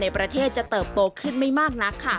ประเทศจะเติบโตขึ้นไม่มากนักค่ะ